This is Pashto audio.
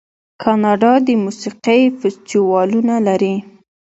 کاناډا د موسیقۍ فستیوالونه لري.